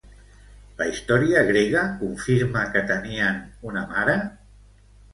La història grega confirma que tenien una mare?